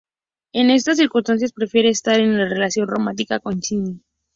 En estas circunstancias, prefiere estar en una relación romántica con Shinji.